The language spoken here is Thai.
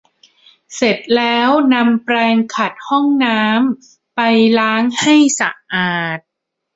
เสร็จแล้วก็นำแปรงขัดห้องน้ำไปล้างให้สะอาด